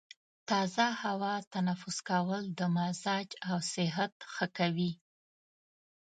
تازه هوا تنفس کول د مزاج او صحت ښه کوي.